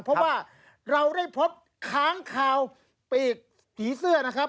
เพราะว่าเราได้พบค้างคาวปีกผีเสื้อนะครับ